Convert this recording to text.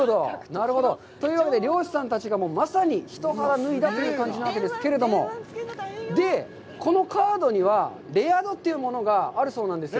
なるほど。というわけで漁師さんたちが、まさに一肌脱いだという感じなわけですけれども、で、このカードには、レア度というものがあるそうなんです。